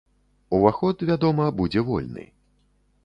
Уваход, вядома, будзе вольны.